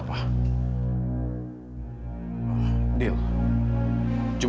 pdn kasih leb